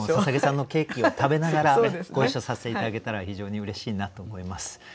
捧さんのケーキを食べながらご一緒させて頂けたら非常にうれしいなと思います。